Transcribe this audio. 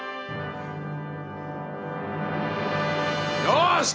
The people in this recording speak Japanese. よし！